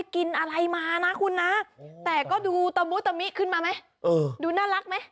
กินอะไรมานะคุณนะแต่ก็ดูตะมุตมิขึ้นมาไหมดูน่ารักไหม